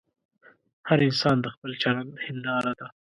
هر انسان د خپل چلند هنداره ده.